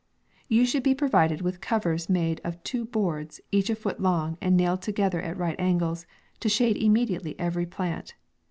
You should be provided with covers made of two boards, each a foot long, and nailed together at right angles, to shade immediately every plant.